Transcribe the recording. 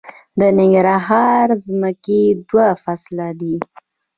د ننګرهار ځمکې دوه فصله دي